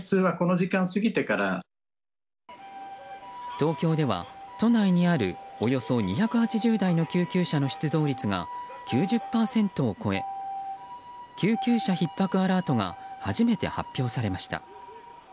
東京では、都内にあるおよそ２８０台の救急車の出動率が、９０％を超え救急車ひっ迫アラートが初めて発表されました。